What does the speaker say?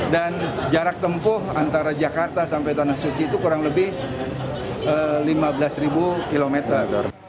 dan jarak tempuh antara jakarta sampai tanah suci itu kurang lebih lima belas ribu kilometer